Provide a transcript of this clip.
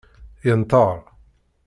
Yenṭer.